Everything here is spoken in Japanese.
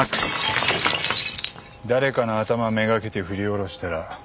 誰かの頭めがけて振り下ろしたら大ケガだ。